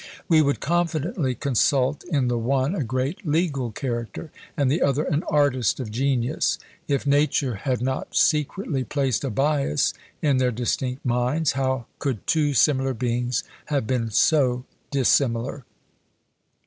We would confidently consult in the one a great legal character, and in the other an artist of genius. If nature had not secretly placed a bias in their distinct minds, how could two similar beings have been so dissimilar?